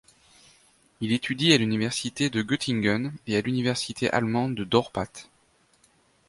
Il étudie à l'université de Göttingen et à l'université allemande de Dorpat.